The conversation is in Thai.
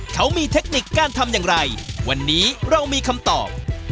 เขามีเทคนิคการทำอย่างไรวันนี้เรามีคำตอบ